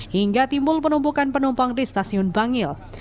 hingga timbul penumpukan penumpang di stasiun bangil